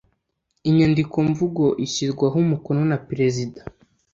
inyandikomvugo ishyirwaho umukono na Perezida